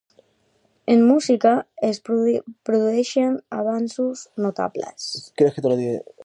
En música es produeixen avenços notables.